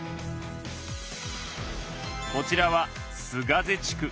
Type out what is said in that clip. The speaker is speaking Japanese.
こちらは須ヶ瀬地区。